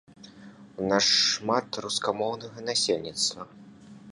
У нас шмат рускамоўнага насельніцтва.